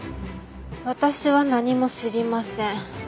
私は何も知りません。